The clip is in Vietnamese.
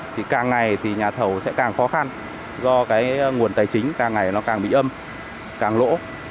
thì càng ngày thì nhà thầu sẽ càng khó khăn do cái nguồn tài chính càng ngày nó càng bị âm càng lỗ